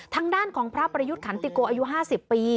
ทางด้านของพระประยุทธ์ขันติโกอายุ๕๐ปี